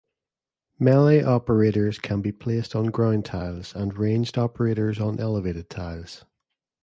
Melee operators can be placed on ground tiles and ranged operators on elevated tiles.